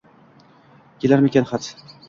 Kelarmikan xat?